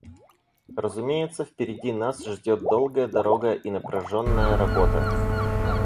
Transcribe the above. Разумеется, впереди нас ждет долгая дорога и напряженная работа.